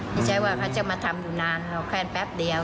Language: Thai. ไม่ใช่ว่าเขาจะมาทำอยู่นานหรอกแค่แป๊บเดียว